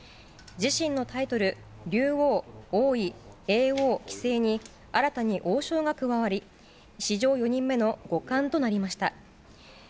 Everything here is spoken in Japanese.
自身のタイトル、竜王、王位、叡王、棋聖に、新たに王将が加わり、史上４人目の五冠となりました。